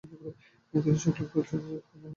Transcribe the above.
তিনি সকলকে কসরত করতে উৎসাহ প্রদান করেন।